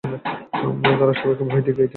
তারা সবাইকে ভয় দেখিয়েছে।